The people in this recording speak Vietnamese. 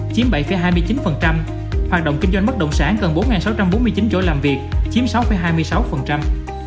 chiếm bảy hai mươi chín hoạt động kinh doanh bất động sản gần bốn sáu trăm bốn mươi chín chỗ làm việc chiếm sáu hai mươi sáu